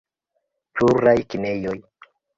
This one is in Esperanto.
Pluraj kinejoj.